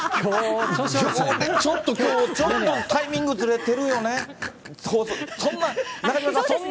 ちょっときょう、ちょっとタイミングずれてるよね。